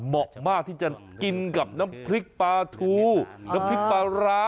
เหมาะมากที่จะกินกับน้ำพริกปลาทูน้ำพริกปลาร้า